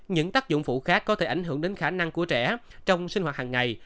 những tác dụng phụ khác có thể ảnh hưởng đến khả năng của trẻ trong sinh hoạt hàng ngày